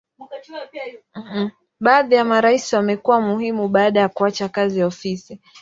Baadhi ya marais wamekuwa muhimu baada ya kuacha kazi ofisi.